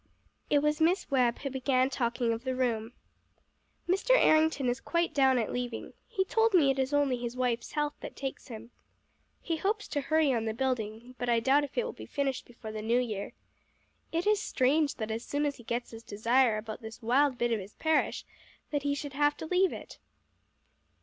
It was Miss Webb who began talking of the room. "Mr. Errington is quite down at leaving. He told me it is only his wife's health that takes him. He hopes to hurry on the building but I doubt if it will be finished before the New Year. It is strange that as soon as he gets his desire about this wild bit of his parish that he should have to leave it."